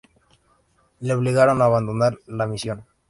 Le obligaron a abandonar la misión.